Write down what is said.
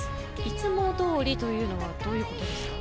いつもどおりというのはどういうことですか。